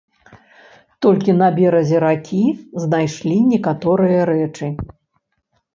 Толькі на беразе ракі знайшлі некаторыя рэчы.